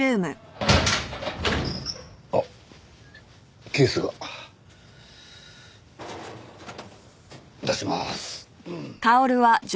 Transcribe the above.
あっケースが。出します。